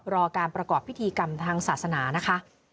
รอการประกอบพิธีกรรมทางศาสนานะคะ